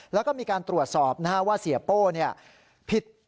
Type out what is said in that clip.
แล้วก็มีการตรวจสอบว่าเสียโป้ผิด